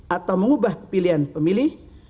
atau mengubah pilihan pemilih